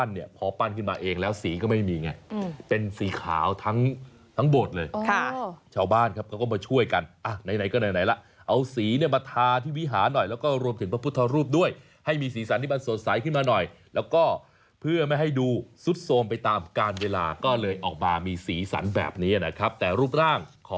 เห็นแล้วแปลกตาแต่ก็ไปดูกันหน่อยแล้วกัน